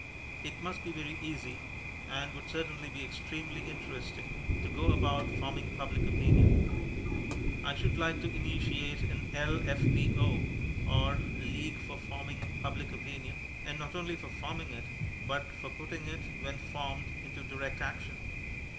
It must be very easy (and would certainly be extremely interesting) to go about forming Public Opinion, I should like to initiate an L.F.P.O., or League for Forming Public Opinion, and not only for forming it, but for putting it, when formed, into direct action.